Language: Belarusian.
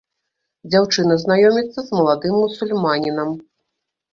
Дзяўчына знаёміцца з маладым мусульманінам.